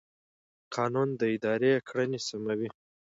قانون د ادارې کړنې سموي.